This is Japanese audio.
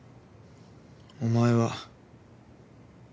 お前は。